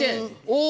お！